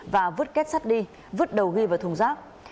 và vứt két sắt đi vứt đầu ghi vào thùng rác